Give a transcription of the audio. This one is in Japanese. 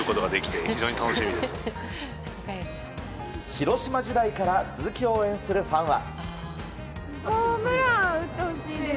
広島時代から鈴木を応援するファンは。